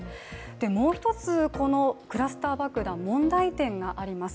もう１つ、クラスター爆弾、問題点があります。